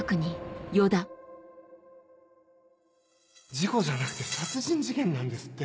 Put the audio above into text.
事故じゃなくて殺人事件なんですって！